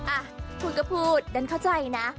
อ่ะพูดก็พูดดันเข้าใจนะ